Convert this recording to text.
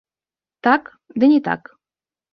Так, ды не так.